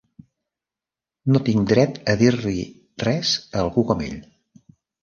No tinc dret a dir-li res a algú com ell.